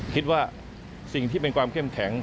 คิดว่าสิ่งที่เป็นความเข้มแข็ง